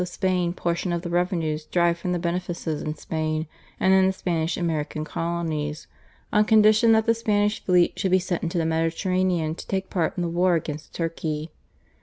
of Spain portion of the revenues derived from the benefices in Spain and in the Spanish American colonies, on condition that the Spanish fleet should be sent into the Mediterranean to take part in the war against Turkey.